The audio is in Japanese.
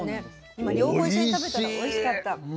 今両方一緒に食べたらおいしかった。